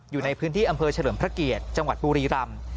อยู่ในพื้นที่อำเภอเฉลิมพระเกียรติจังหวัดบุรีรำ